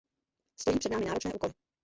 Stojí před námi náročné úkoly.